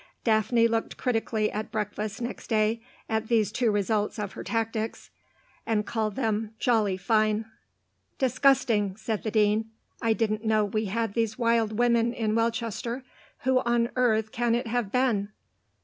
Daphne looked critically at breakfast next day at these two results of her tactics, and called them "Jolly fine." "Disgusting," said the Dean. "I didn't know we had these wild women in Welchester. Who on earth can it have been?"